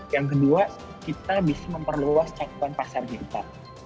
yang kedua kita bisa memperluas cakupan pasar kita